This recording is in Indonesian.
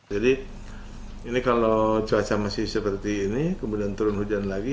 jadi ini kalau cuaca masih seperti ini kemudian turun hujan lagi